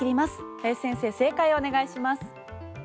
林先生、正解をお願いします。